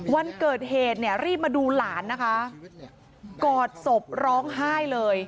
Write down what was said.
วันเกิดเหตุเนี่ยรีบมาดูหลานนะคะกอดศพร้องไห้เลย